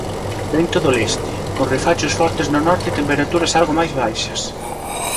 Vento do leste, con refachos fortes no norte e temperaturas algo máis baixas.